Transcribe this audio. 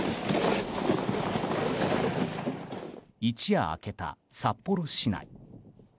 一夜明けた札幌市内。